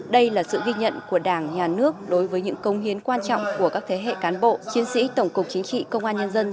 đây là sự ghi nhận của đảng nhà nước đối với những công hiến quan trọng của các thế hệ cán bộ chiến sĩ tổng cục chính trị công an nhân dân